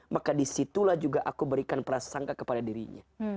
maka disitulah juga aku berikan prasangka kepada dirinya